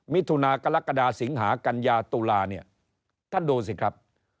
มิถุนากรกฎาสิงหากัญญาตุลาเนี่ยท่านดูสิครับ